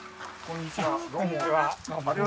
こんにちは。